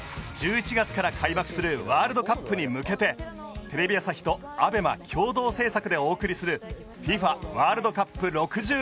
１１月から開幕するワールドカップに向けてテレビ朝日とＡＢＥＭＡ共同制作でお送りする『ＦＩＦＡワールドカップ６４』。